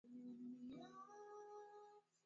vizuri au kwa kuumwa na mbu